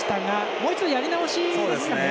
もう一度やり直しですかね。